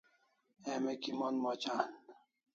Emi kiman moc an?